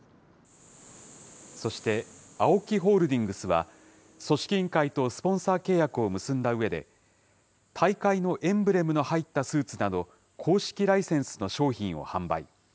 そしてＡＯＫＩホールディングスは、組織委員会とスポンサー契約を結んだうえで、大会のエンブレムの入ったスーツなど、公式ライセンスの商品を販売。